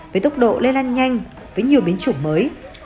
với tốc độ lây lan nhanh với nhiều biến chủng mới